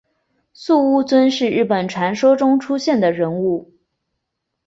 素呜尊是日本传说中出现的人物。